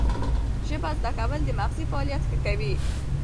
ژبه زده کول د مغزي فعالیت ښه کوي.